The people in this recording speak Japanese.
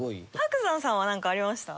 伯山さんはなんかありました？